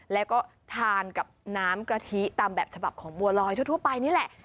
แล้วก็ทานกับน้ำกะทิตามแบบฉบับของบัวลอยทั่วไปนี่แหละ